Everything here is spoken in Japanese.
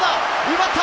奪った！